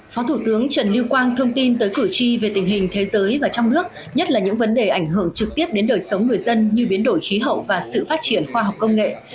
phó thủ tướng trần lưu quang thông tin tới cử tri về tình hình thế giới và trong nước nhất là những vấn đề ảnh hưởng trực tiếp đến đời sống người dân như biến đổi khí hậu và sự phát triển khoa học công nghệ